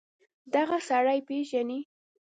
دغه سړى پېژنې.